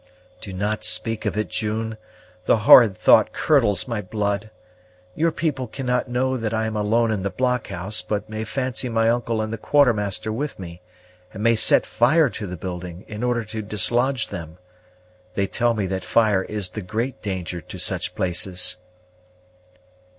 "Do not speak of it, June; the horrid thought curdles my blood. Your people cannot know that I am alone in the blockhouse, but may fancy my uncle and the Quartermaster with me, and may set fire to the building, in order to dislodge them. They tell me that fire is the great danger to such places."